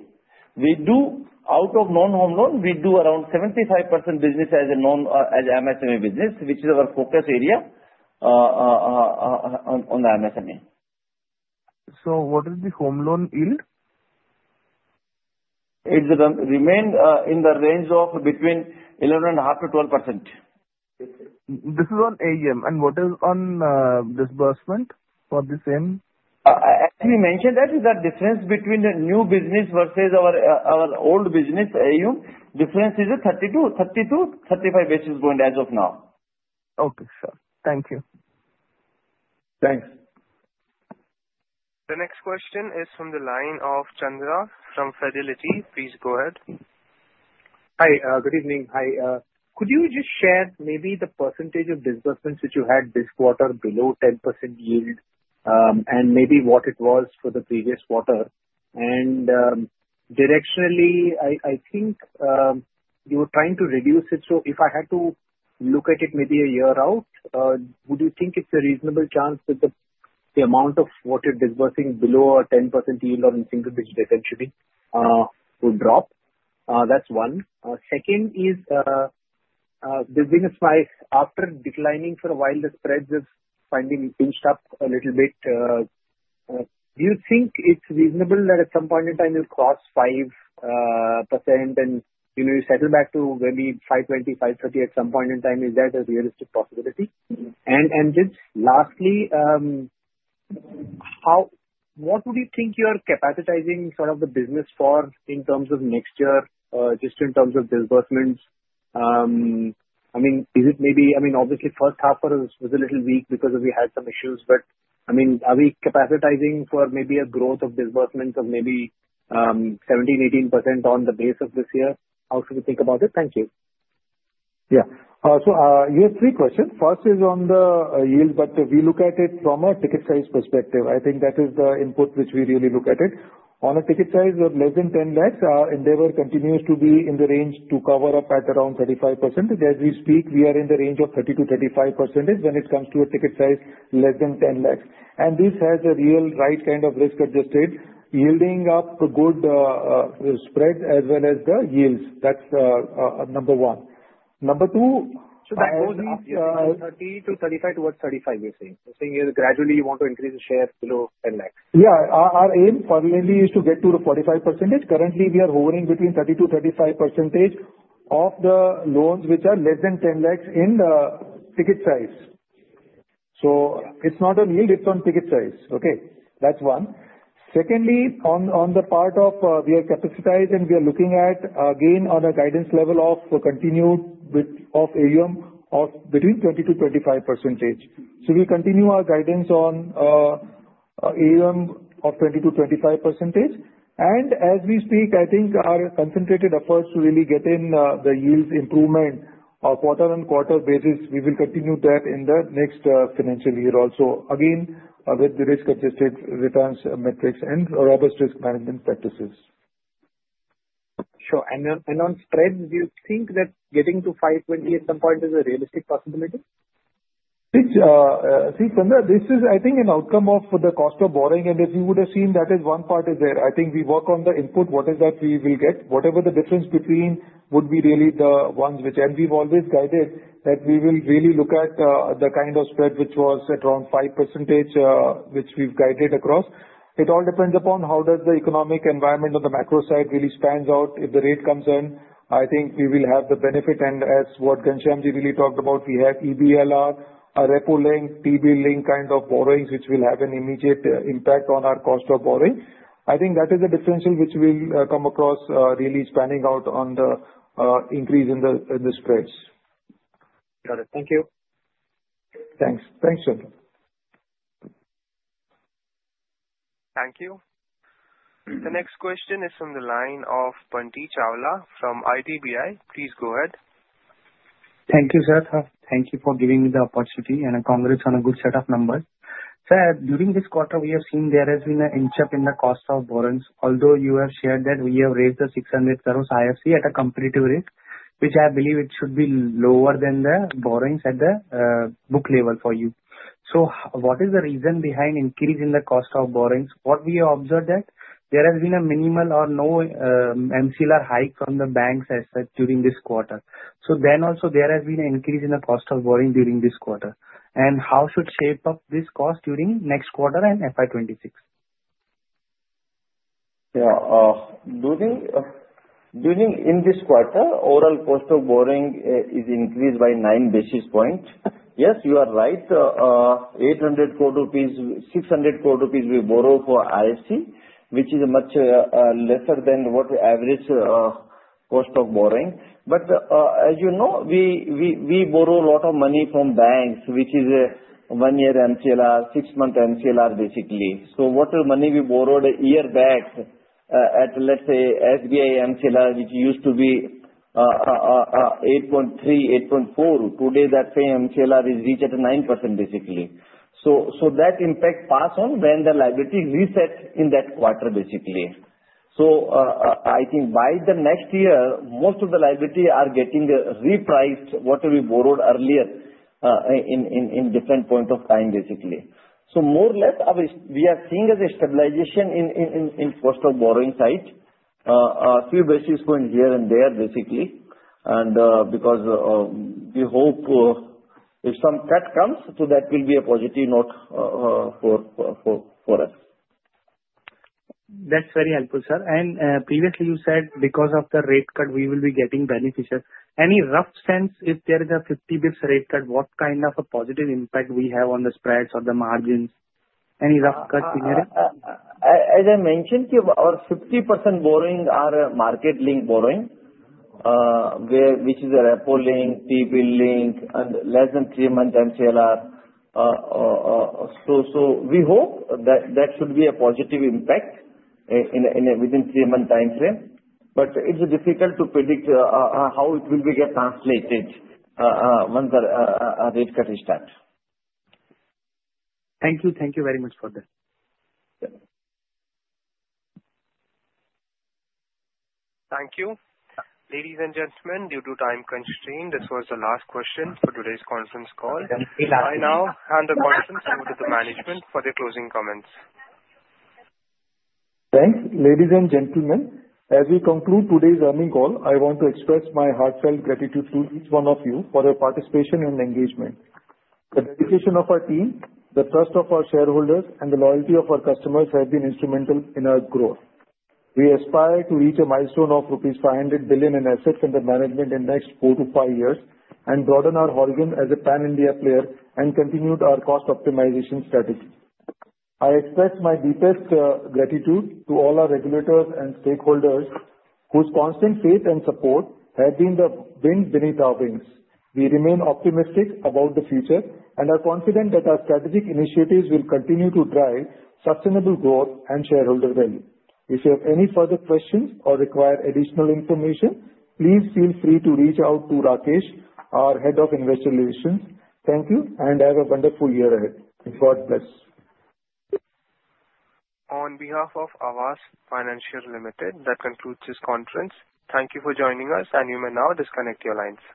Out of non-home loan, we do around 75% business as an MSME business, which is our focus area on the MSME. What is the home loan yield? It remains in the range of between 11.5% to 12%. This is on AUM. And what is on disbursement for the same? As we mentioned, that is the difference between the new business versus our old business, AUM. Difference is 32-35 basis points as of now. Okay, sir. Thank you. Thanks. The next question is from the line of Chandra from Fidelity. Please go ahead. Hi. Good evening. Hi. Could you just share maybe the percentage of disbursements which you had this quarter below 10% yield and maybe what it was for the previous quarter? And directionally, I think you were trying to reduce it. So if I had to look at it maybe a year out, would you think it's a reasonable chance that the amount of what you're disbursing below a 10% yield or in single-digit retention would drop? That's one. Second is, there's been a spike after declining for a while. The spreads have finally pinched up a little bit. Do you think it's reasonable that at some point in time, you cross 5% and you settle back to maybe 5.20, 5.30 at some point in time? Is that a realistic possibility? And lastly, what would you think you're sizing sort of the business for in terms of next year, just in terms of disbursements? I mean, is it maybe? I mean, obviously, first half was a little weak because we had some issues. But I mean, are we sizing for maybe a growth of disbursements of maybe 17%-18% on the base of this year? How should we think about it? Thank you. Yeah. So you have three questions. First is on the yield, but we look at it from a ticket size perspective. I think that is the input which we really look at. On a ticket size of less than 10 lakhs, our endeavor continues to be in the range to cover up at around 35%. As we speak, we are in the range of 30%-35% when it comes to a ticket size less than 10 lakhs, and this has a real right kind of risk-adjusted yielding up good spread as well as the yields. That's number one. Number two. So that goes easier from 30 to 35 towards 35, you're saying. So saying gradually you want to increase the share below 10 lakhs. Yeah. Our aim permanently is to get to the 45%. Currently, we are hovering between 30%-35% of the loans which are less than 10 lakhs in ticket size. So it's not on yield, it's on ticket size. Okay. That's one. Secondly, on the part of we are capacitized and we are looking at again on a guidance level of continued of AUM of between 20%-25%. So we continue our guidance on AUM of 20%-25%. And as we speak, I think our concentrated efforts to really get in the yields improvement of quarter-on-quarter basis, we will continue that in the next financial year also. Again, with the risk-adjusted returns metrics and robust risk management practices. Sure. And on spreads, do you think that getting to 5.20 at some point is a realistic possibility? See, Chandra, this is, I think, an outcome of the cost of borrowing. And if you would have seen, that is one part is there. I think we work on the input, what is that we will get. Whatever the difference between would be really the ones which, and we've always guided that we will really look at the kind of spread which was at around 5% which we've guided across. It all depends upon how does the economic environment on the macro side really spans out. If the rate comes in, I think we will have the benefit. And as what Ghanshyamji really talked about, we have EBLR, Repo-linked, T-Bill-linked kind of borrowings which will have an immediate impact on our cost of borrowing. I think that is a differential which we'll come across really spanning out on the increase in the spreads. Got it. Thank you. Thanks. Thanks, sir. Thank you. The next question is from the line of Bunty Chawla from IDBI Capital. Please go ahead. Thank you, sir. Thank you for giving me the opportunity and congrats on a good set of numbers. Sir, during this quarter, we have seen there has been an inch up in the cost of borrowings. Although you have shared that we have raised the 600 crore IFC at a competitive rate, which I believe it should be lower than the borrowings at the book level for you. So what is the reason behind increase in the cost of borrowings? What we have observed that there has been a minimal or no MCLR hike from the banks as said during this quarter. So then also there has been an increase in the cost of borrowing during this quarter. And how should shape up this cost during next quarter and FY26? Yeah. Do you think in this quarter, overall cost of borrowing is increased by 9 basis points? Yes, you are right. 800 crore rupees, 600 crore rupees we borrow for IFC, which is much lesser than what average cost of borrowing. But as you know, we borrow a lot of money from banks, which is a one-year MCLR, six-month MCLR basically. So whatever money we borrowed a year back at, let's say, SBI MCLR, which used to be 8.3, 8.4, today that same MCLR is reached at 9% basically. So so that impact pass on when the liability reset in that quarter basically. So I think by the next year, most of the liability are getting repriced whatever we borrowed earlier in in different point of time basically. So more or less, we are seeing a stabilization in in cost of borrowing side, a few basis points here and there basically. Because we hope if some cut comes, so that will be a positive note for us. That's very helpful, sir. And previously you said because of the rate cut, we will be getting beneficial. Any rough sense if there is a 50 basis points rate cut, what kind of a positive impact we have on the spreads or the margins? Any rough cuts in here? As I mentioned, our 50% borrowings are market-linked borrowings, which is a Repo-linked, T-Bill-linked, and less than three-month MCLR. We hope that should be a positive impact within three-month time frame. But it's difficult to predict how it will be translated once a rate cut is done. Thank you. Thank you very much for that. Thank you. Ladies and gentlemen, due to time constraint, this was the last question for today's conference call. I now hand the conference over to the management for their closing comments. Thanks. Ladies and gentlemen, as we conclude today's earnings call, I want to express my heartfelt gratitude to each one of you for your participation and engagement. The dedication of our team, the trust of our shareholders, and the loyalty of our customers have been instrumental in our growth. We aspire to reach a milestone of rupees 500 billion in assets under management in the next four-to-five years and broaden our horizon as a pan-India player and continue our cost optimization strategy. I express my deepest gratitude to all our regulators and stakeholders whose constant faith and support have been the wind beneath our wings. We remain optimistic about the future and are confident that our strategic initiatives will continue to drive sustainable growth and shareholder value. If you have any further questions or require additional information, please feel free to reach out to Rakesh, our Head of Investor Relations. Thank you and have a wonderful year ahead. God bless. On behalf of Aavas Financiers Limited, that concludes this conference. Thank you for joining us, and you may now disconnect your lines.